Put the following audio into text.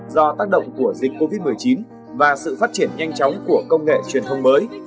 do tác động của dịch covid một mươi chín và sự phát triển nhanh chóng của công nghệ truyền thông mới